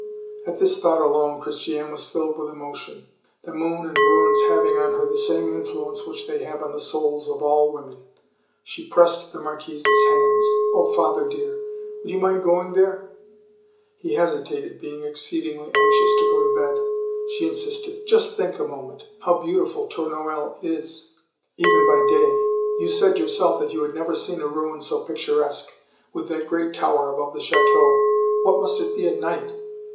At this thought alone, Christiane was filled with emotion, the moon and ruins having on her the same influence which they have on the souls of all women. She pressed the Marquis's hands. "Oh! father dear, would you mind going there?" He hesitated, being exceedingly anxious to go to bed. She insisted: "Just think a moment, how beautiful Tournoel is even by day! You said yourself that you had never seen a ruin so picturesque, with that great tower above the château. What must it be at night!"